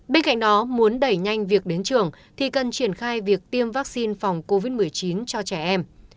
bên cạnh đó muốn đẩy nhanh việc đến trường thì cần triển khai việc tiêm vaccine phòng covid một mươi chín cho trẻ em